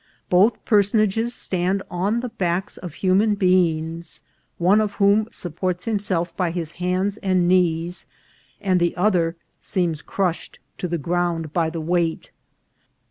Both personages stand on the backs of human beings, one of whom supports himself by his hands and knees, and the other seems crushed to the ground by the weight.